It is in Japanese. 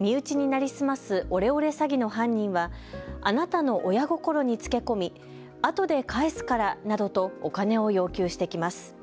身内に成り済ますオレオレ詐欺の犯人はあなたの親心につけ込みあとで返すからなどとお金を要求してきます。